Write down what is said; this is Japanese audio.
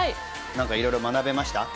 いろいろ学べました？